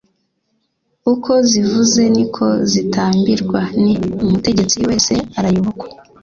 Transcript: Uko zivuze niko zitambirwa ni Umutegetsi wese arayobokwa.